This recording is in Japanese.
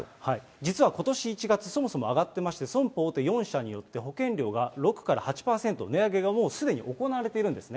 実はことし１月、そもそも上がってまして、損保大手４社によって保険料が６から８％値上げがもうすでに行われているんですね。